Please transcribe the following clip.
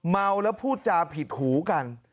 เมาแล้วพูดจาผิดหูกัน